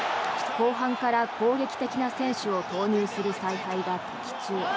後半から攻撃的な選手を投入する采配が的中。